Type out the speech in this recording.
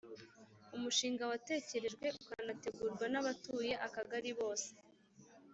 umushinga watekerejwe ukanategurwa n'abatuye akagari bose